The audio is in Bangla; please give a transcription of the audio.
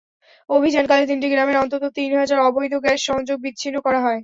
অভিযানকালে তিনটি গ্রামের অন্তত তিন হাজার অবৈধ গ্যাস-সংযোগ বিচ্ছিন্ন করা হয়।